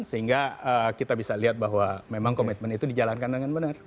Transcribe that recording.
sehingga kita bisa lihat bahwa memang komitmen itu dijalankan dengan benar